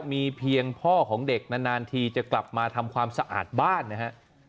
มีเพียงพ่อของเด็กนานทีจะกลับมาทำความสะอาดบ้านนะฮะ